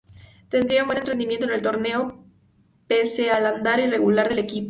Tendría un buen rendimiento en el torneo pese al andar irregular del equipo.